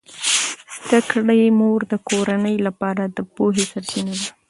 د زده کړې مور د کورنۍ لپاره د پوهې سرچینه ده.